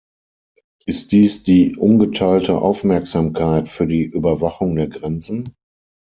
Ist dies die ungeteilte Aufmerksamkeit für die Überwachung der Grenzen?